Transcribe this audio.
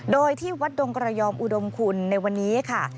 โดยที่วัดดงกระยอมอุดมคุณในวันนี้ค่ะ